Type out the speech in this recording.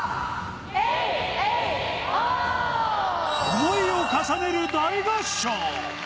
想いを重ねる大合唱。